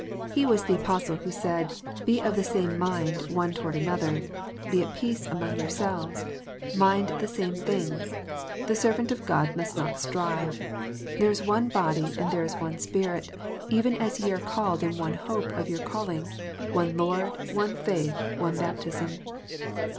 He Avas the Apostle who said, " Be of the same mind one toward another ;"" Be at peace among yourselves ;"" Mind the same things ;"" The servant of God must not strive ;"" There is one body and there is one Spirit, even as ye are called in one hope of your calling, one Lord, one faith, one baptism."